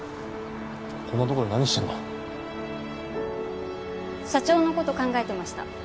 こんなとこで何してんの？社長の事考えてました。